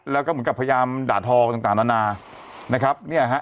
แล้วก็เหมือนกับพยายามด่าทอต่างนานานะครับเนี่ยฮะ